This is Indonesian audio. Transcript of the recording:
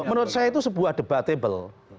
menurut saya itu sebuah debatable